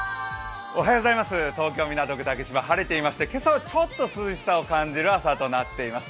東京・港区竹芝、晴れていまして、今朝はちょっと涼しさを感じる朝となっています。